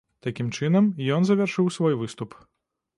Такім чынам, ён завяршыў свой выступ.